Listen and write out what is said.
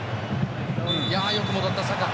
よく戻った、サカ。